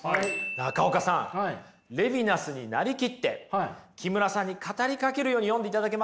中岡さんレヴィナスになりきって木村さんに語りかけるように読んでいただけますか？